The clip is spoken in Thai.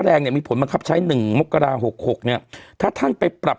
แรงเนี่ยมีผลบังคับใช้หนึ่งมกราหกหกเนี่ยถ้าท่านไปปรับ